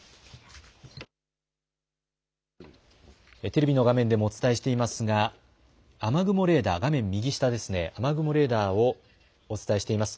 テレビの画面でもお伝えしていますが雨雲レーダー、画面右下ですね、雨雲レーダーをお伝えしています。